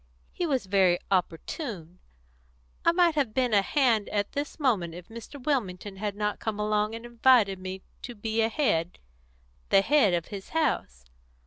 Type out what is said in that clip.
He was very opportune. I might have been a hand at this moment if Mr. Wilmington had not come along and invited me to be a head the head of his house.